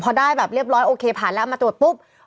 พอได้แบบเรียบร้อยโอเคผ่านแล้วมาตรวจปุ๊บ